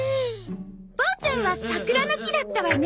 ボーちゃんは桜の木だったわね。